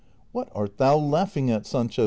" What art thou laughing at, Sancho ?